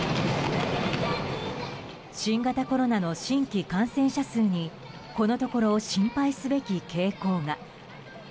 新型コロナの新規感染者数にこのところ心配すべき傾向が。